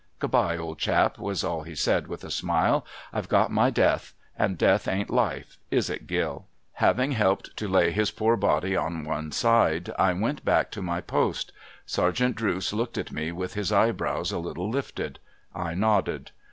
' Good bye, old chap,' was all he said, with a smile. ' I've got my death. And Death ain't life. Is it, Gill ?' Having helped to lay his poor body on one side, I went back to my jjost. Sergeant Drooce looked at me, with his eyebrows a litde lifted. I nodded.